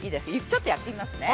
ちょっとやってみますね。